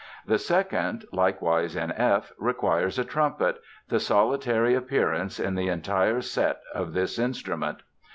The second, likewise in F, requires a trumpet—the solitary appearance in the entire set of this instrument.